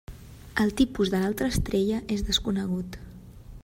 El tipus de l'altra estrella és desconegut.